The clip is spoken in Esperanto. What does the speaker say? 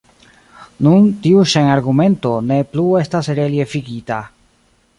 Nun tiu ŝajn-argumento ne plu estas reliefigita.